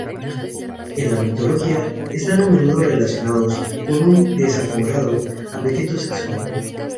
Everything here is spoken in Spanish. En la mitología están a menudo relacionados con un desaforado apetito sexual.